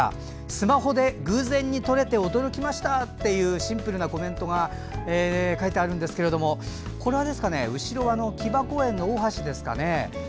スマホで偶然に撮れて驚きましたというシンプルなコメントが書いてあるんですが後ろ、木場公園の大橋ですかね。